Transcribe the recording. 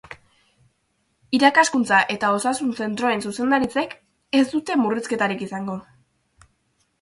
Irakaskuntza eta osasun zentroen zuzendaritzek ez dute murrizketarik izango.